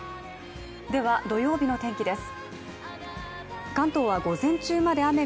では、土曜日の天気です。